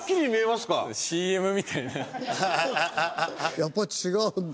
やっぱり違うんだ。